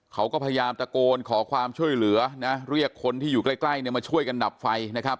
เขาก็พยายามตะโกนขอความช่วยเหลือนะเรียกคนที่อยู่ใกล้เนี่ยมาช่วยกันดับไฟนะครับ